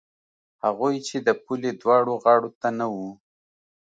هغوی چې د پولې دواړو غاړو ته نه وو.